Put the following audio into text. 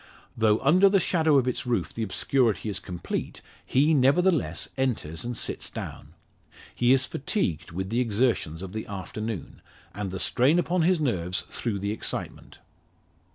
Though under the shadow of its roof the obscurity is complete, he, nevertheless, enters and sits down. He is fatigued with the exertions of the afternoon, and the strain upon his nerves through the excitement.